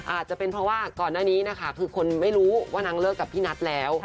อาจจะเป็นเพราะว่าก่อนหน้านี้นะคะคือคนไม่รู้ว่านางเลิกกับพี่นัทแล้ว